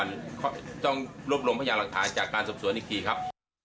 ต้องรบลงพยาบาลหลังทายจากการสบสวนอีกทีครับ